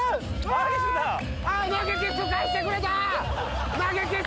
投げキッス返してくれた。